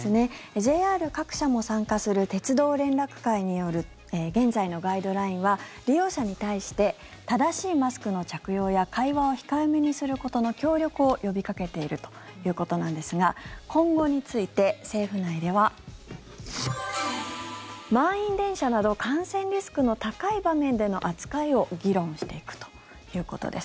ＪＲ各社も参加する鉄道連絡会による現在のガイドラインは利用者に対して正しいマスクの着用や会話を控えめにすることの協力を呼びかけているということなんですが今後について、政府内では満員電車など感染リスクの高い場面での扱いを議論していくということです。